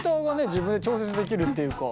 自分で調節できるっていうか。